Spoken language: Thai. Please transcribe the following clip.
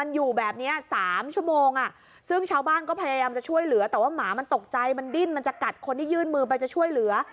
แต่ว่าหมามันตกใจมันดิ้นมันจะกัดคนที่ยื่นมือไปจะช่วยเหลือ